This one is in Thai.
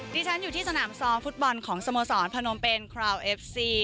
ดิฉันอยู่ที่สนามซ้อมฟุตบอลของสโมสรพนมเป็นคราวเอฟซี